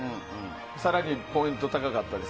更にポイント高かったです。